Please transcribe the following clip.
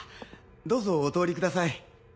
どうぞお通りください。